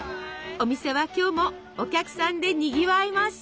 お店は今日もお客さんでにぎわいます。